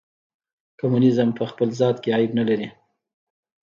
کمونیزم په خپل ذات کې عیب نه لري.